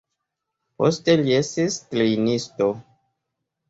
Poste li estis trejnisto.